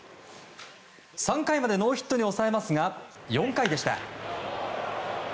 ３回までノーヒットに抑えますが４回でした。